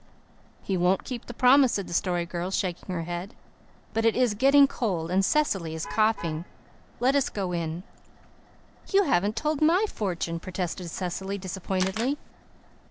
"He won't keep the promise," said the Story Girl, shaking her head. "But it is getting cold and Cecily is coughing. Let us go in." "You haven't told my fortune," protested Cecily disappointedly.